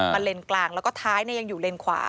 เลนกลางแล้วก็ท้ายยังอยู่เลนขวา